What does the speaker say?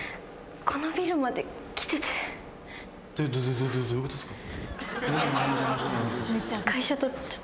どどういうことっすか？